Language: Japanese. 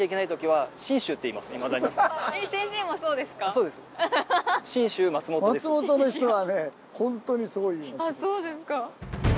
そうですか。